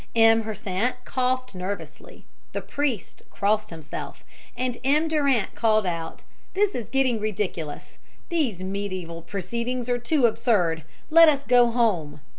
M. Hersant coughed nervously, the priest crossed himself, and M. Durant called out, "This is getting ridiculous. These mediæval proceedings are too absurd. Let us go home."